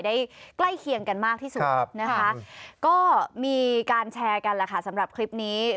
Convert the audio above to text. ใกล้เคียงกันมากที่สุดนะคะก็มีการแชร์กันแหละค่ะสำหรับคลิปนี้